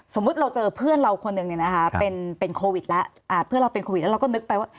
สมมุติเราเจอเพื่อนเราคนหนึ่งเนี่ยนะคะเป็นโควิดแล้วเพื่อนเราเป็นโควิดแล้วเราก็นึกไปว่า